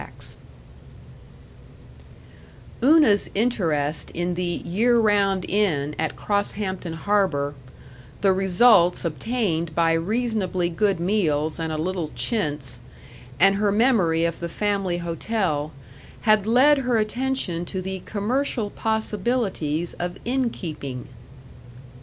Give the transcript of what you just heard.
§ 3 Una's interest in the Year Round Inn at Crosshampton Harbor, the results obtained by reasonably good meals and a little chintz, and her memory of the family hotel, had led her attention to the commercial possibilities of innkeeping.